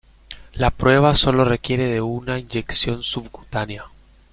La prueba sólo requiere de una inyección subcutánea.